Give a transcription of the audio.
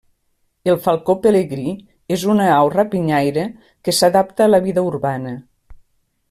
El falcó pelegrí és una au rapinyaire que s'adapta a la vida urbana.